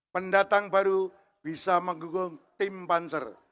pendatang baru bisa menggugung tim panser